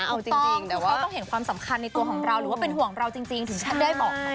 แต่เขาต้องเห็นความสำคัญในตัวของเราหรือว่าเป็นห่วงเราจริงถึงชัดได้บอก